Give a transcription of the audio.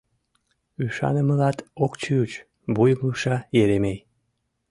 — Ӱшанымылат ок чуч... — вуйым лупша Еремей.